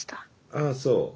ああそう。